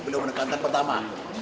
beliau menekankan pertama